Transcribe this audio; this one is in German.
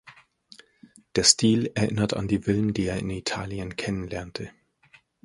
Der Stil erinnert an die Villen, die er in Italien kennenlernte.